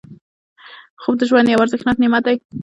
خوب د ژوند یو ارزښتناک نعمت دی